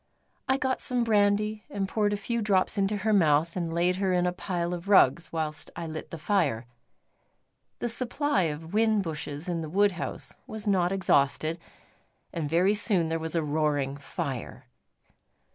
I got some brandy and poured a few drops into her mouth, and laid her in a pile of rugs whilst I lit the fire. The supply of whin bushes in the wood house was not exhausted, and very soon there was a roaring fire.